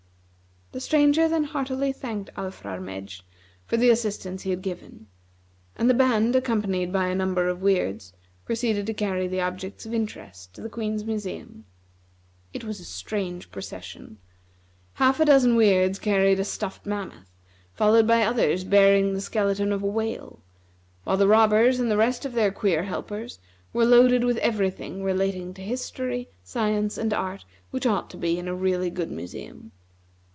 The Stranger then heartily thanked Alfrarmedj for the assistance he had given; and the band, accompanied by a number of Weirds, proceeded to carry the objects of interest to the Queen's museum. It was a strange procession. Half a dozen Weirds carried a stuffed mammoth, followed by others bearing the skeleton of a whale, while the robbers and the rest of their queer helpers were loaded with every thing relating to history, science, and art which ought to be in a really good museum.